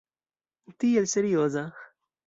Tiel serioza!